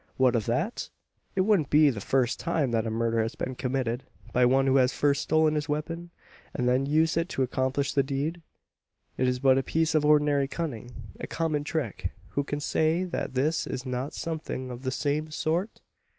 What of that? It wouldn't be the first time that a murder has been committed by one who has first stolen his weapon, and then used it to accomplish the deed. It is but a piece of ordinary cunning a common trick. Who can say that this is not something of the same sort?"